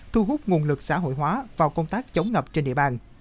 thu hút nguồn lực xã hội hóa vào công tác chống ngập trên địa bàn